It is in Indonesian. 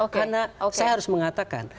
karena saya harus mengatakan